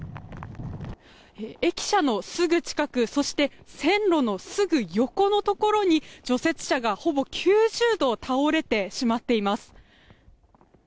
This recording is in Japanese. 駅舎のすぐ近くそして、線路のすぐ横のところに除雪車がほぼ９０度倒れてしまっています。